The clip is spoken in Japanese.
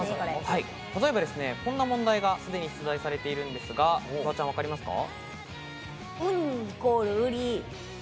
例えばこんな問題が、すでに出題されているんですが、フワちゃん、わかりますか？